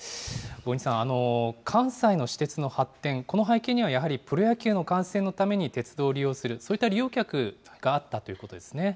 小國さん、関西の私鉄の発展、この背景にはやはりプロ野球の観戦のために鉄道を利用する、そういった利用客があったということですね。